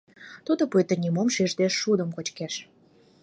Тудо пуйто нимом шижде шудым кочкеш.